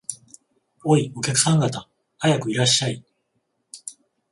おい、お客さん方、早くいらっしゃい